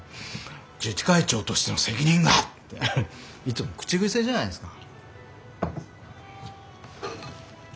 「自治会長としての責任が！」っていつも口癖じゃないですか。